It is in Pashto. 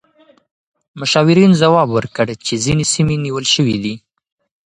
مشاورین ځواب ورکړ چې ځینې سیمې نیول شوې دي.